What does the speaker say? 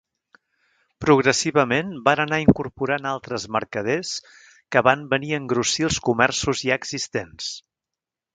Progressivament van anar incorporant altres mercaders que van venir a engrossir els comerços ja existents.